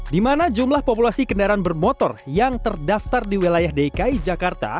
di mana jumlah populasi kendaraan bermotor yang terdaftar di wilayah dki jakarta